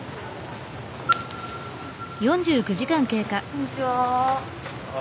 こんにちは。